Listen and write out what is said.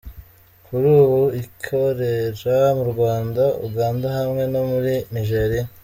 Kuri ubu ikorera mu Rwanda, Uganda hamwe no muri Nigeria.